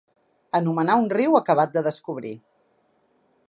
Anomenar un riu acabat de descobrir.